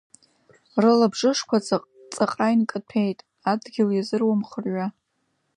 Рылабжышқәа ҵаҟа инкаҭәеит, адгьыл иазыруам хырҩа.